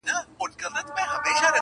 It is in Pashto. د کرنې پخواني تخمونه اوس هم ژوندي دي.